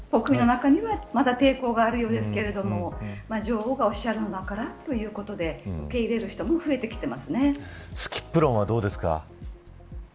国民の中には、まだ抵抗があるようですけれども女王がおっしゃるのだからということで受けいれる人も増えてきてますね。